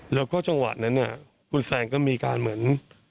แล้วก็จังหวะนั้นคุณแซนก็มีการเหมือน